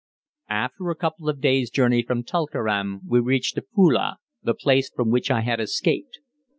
After a couple of days' journey from Tulkeram we reached Afule, the place from which I had escaped.